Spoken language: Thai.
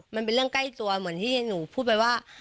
มันเป็นเรื่องใกล้ตัวเหมือนที่หนูพูดไปว่า